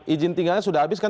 izin tinggalnya sudah habis kan